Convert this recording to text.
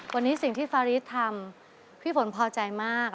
วันนี้สิ่งที่ฟาริสทำพี่ฝนพอใจมาก